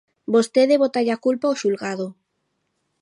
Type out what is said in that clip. Vostede bótalle a culpa ao xulgado.